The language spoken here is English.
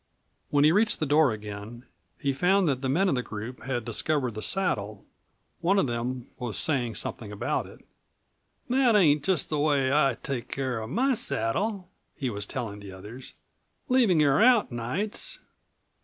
When he reached the door again he found that the men of the group had discovered the saddle. One of them was saying something about it. "That ain't just the way I take care of my saddle," he was telling the others; "leavin' her out nights."